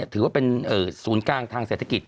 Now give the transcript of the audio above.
ถือว่าเป็นศูนย์กลางทางเศรษฐกิจ